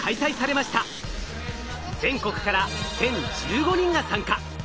全国から１，０１５人が参加。